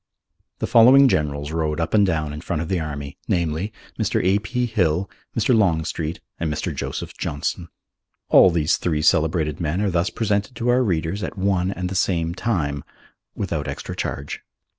The following generals rode up and down in front of the army, namely, Mr. A. P. Hill, Mr. Longstreet, and Mr. Joseph Johnston. All these three celebrated men are thus presented to our readers at one and the same time without extra charge.